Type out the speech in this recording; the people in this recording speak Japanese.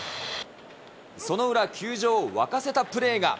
その裏、球場を沸かせたプレーが。